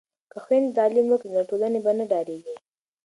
که خویندې تعلیم وکړي نو له ټولنې به نه ډاریږي.